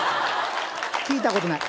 聞いたことない。